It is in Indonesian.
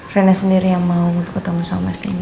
rena sendiri yang mau ketemu sama mas ini